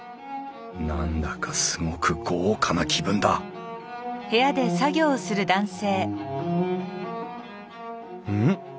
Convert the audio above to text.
何だかすごく豪華な気分だうん？